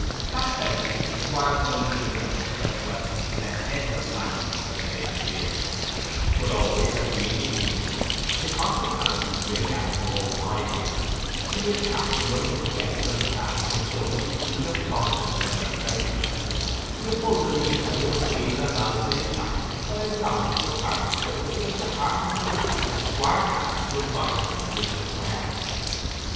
At present, the Squire had only given an express welcome to the heads of families as they appeared; but always as the evening deepened, his hospitality rayed out more widely, till he had tapped the youngest guests on the back and shown a peculiar fondness for their presence, in the full belief that they must feel their lives made happy by their belonging to a parish where there was such a hearty man as Squire Cass to invite them and wish them well.